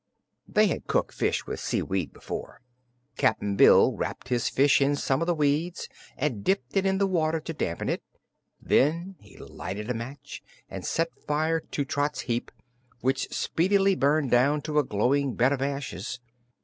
They had cooked fish with seaweed before. Cap'n Bill wrapped his fish in some of the weed and dipped it in the water to dampen it. Then he lighted a match and set fire to Trot's heap, which speedily burned down to a glowing bed of ashes.